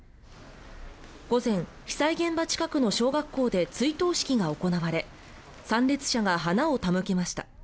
午前、被災現場近くの小学校で追悼式が行われ参列者が花を手向けました。